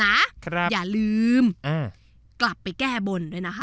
อย่าลืมอ่ากลับไปแก้บนด้วยนะคะ